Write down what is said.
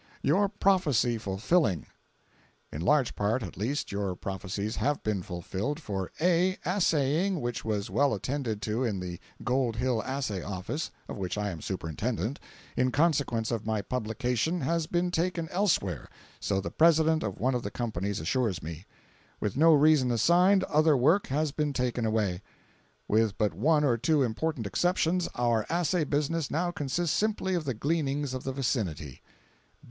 YOUR PROPHECY FULFILLING. In large part at least your prophecies have been fulfilled, for (a) assaying, which was well attended to in the Gold Hill Assay Office (of which I am superintendent), in consequence of my publications, has been taken elsewhere, so the President of one of the companies assures me. With no reason assigned, other work has been taken away. With but one or two important exceptions, our assay business now consists simply of the gleanings of the vicinity.